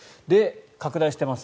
拡大しています